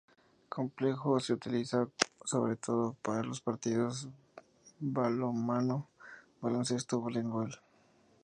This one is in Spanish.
El complejo se utiliza sobre todo para los partidos de balonmano, baloncesto o voleibol.